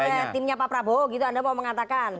oleh timnya pak prabowo gitu anda mau mengatakan